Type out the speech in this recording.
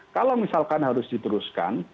kalau misalkan harus diteruskan